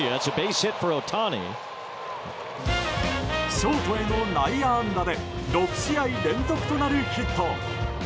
ショートへの内野安打で６試合連続となるヒット。